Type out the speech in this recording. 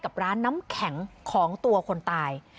กับร้านน้ำแข็งของตัวคนตาย